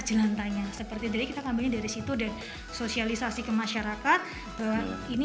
jelantah seperti dari kita kami dari situ game sosialisasi ke masyarakat ihan ini